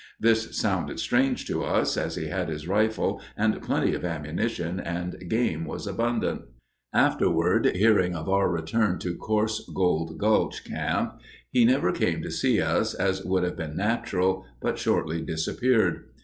This sounded strange to us as he had his rifle and plenty of ammunition and game was abundant. Afterward hearing of our return to Coarse Gold Gulch camp, he never came to see us as would have been natural, but shortly disappeared.